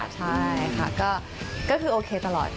ใช่ค่ะก็คือโอเคตลอด